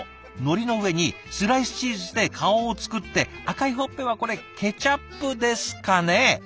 海苔の上にスライスチーズで顔を作って赤いほっぺはこれケチャップですかね？